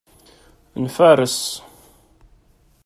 Nfares.